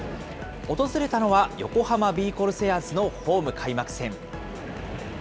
訪れたのは、横浜ビー・コルセアーズのホーム開幕戦。